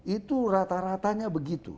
itu rata ratanya begitu